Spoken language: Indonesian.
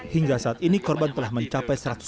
hingga saat ini korban telah mencapai